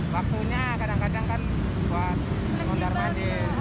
waktunya kadang kadang kan buat mengundar mandi